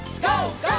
ＧＯ！